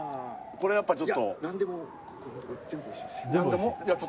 これやっぱちょっと何でも？